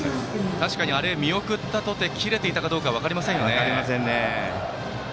確かにあれを見送ったとて切れていたかどうか分かりませんね。